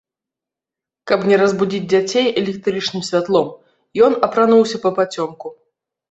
Каб не разбудзіць дзяцей электрычным святлом, ён апрануўся папацёмку.